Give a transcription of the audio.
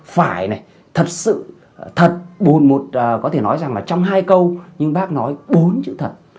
phải này thật sự thật buồn một có thể nói rằng là trong hai câu nhưng bác nói bốn chữ thật